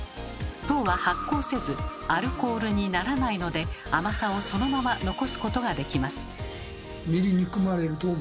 糖は発酵せずアルコールにならないので甘さをそのまま残すことができます。